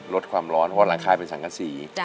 ลดความร้อนเพราะว่าหลังคาเป็นสังกษี